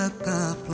aku akan pergi